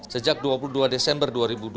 sejak dua puluh dua desember dua ribu dua puluh